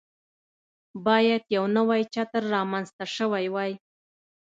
باید یو نوی چتر رامنځته شوی وای.